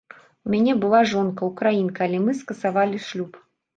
У мяне была жонка, украінка, але мы скасавалі шлюб.